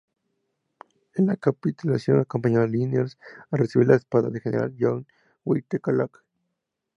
En la capitulación, acompañó a Liniers al recibir la espada del general John Whitelocke.